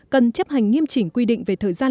cần chấp hành nghiêm chỉnh quy định về thời gian